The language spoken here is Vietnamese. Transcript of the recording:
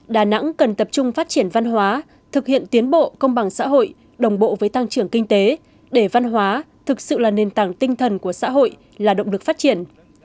đà nẵng cần tập trung phát triển văn hóa thực hiện tiến bộ công bằng xã hội đồng bộ với tăng trưởng kinh tế để văn hóa thực sự là nền tảng tinh thần của xã hội là động lực phát triển